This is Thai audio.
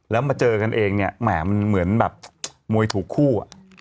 แล้วมาเจอกันเองเนี่ยแหมมันเหมือนแบบมวยถูกคู่อ่ะ